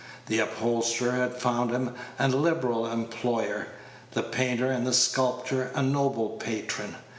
The upholsterer had found him a liberal employer, the painter and the sculptor a noble patron.